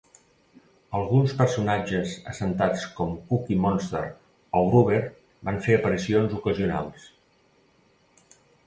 Alguns personatges assentats com Cookie Monster o Grover van fer aparicions ocasionals.